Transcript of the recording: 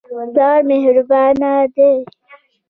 پلار مهربانه دی.